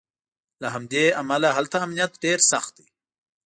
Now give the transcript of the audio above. له همدې امله هلته امنیت ډېر سخت دی.